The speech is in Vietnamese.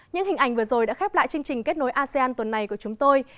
những hình ảnh vừa rồi đã khép lại chương trình kết nối asean tuần này của chúng tôi